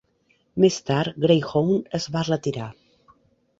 Més tard, Greyhound es va retirar.